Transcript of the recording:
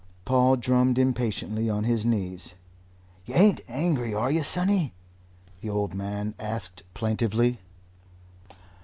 Paul drummed impatiently on his knees. "Yer ain't angry, are you, sonny?" the old man asked plaintively.